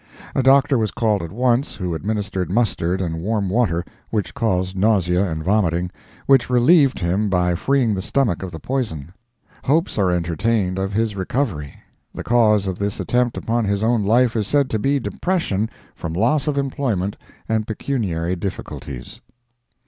A doctor was called at once, who administered mustard and warm water, which caused nausea and vomiting, which relieved him by freeing the stomach of the poison. Hopes are entertained of his recovery. The cause of this attempt upon his own life is said to be depression from loss of employment and pecuniary difficulties.